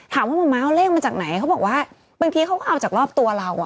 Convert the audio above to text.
ถามว่ามะม้าเอาเลขมาจากไหนเขาบอกว่าบางทีเขาก็เอาจากรอบตัวเราอ่ะ